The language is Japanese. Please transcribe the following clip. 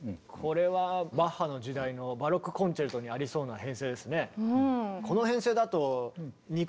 これはバッハの時代のバロックコンチェルトにありそうな編成ですね。